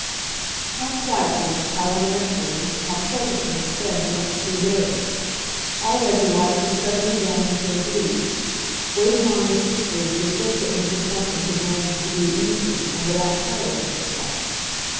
How quietly, how uneventfully, how pleasantly, sped the next few days. Already life was settling down into a groove. Waiting on Mr. Sleuth was just what Mrs. Bunting could manage to do easily, and without tiring herself.